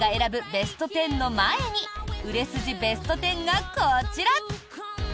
ベスト１０の前に売れ筋ベスト１０がこちら！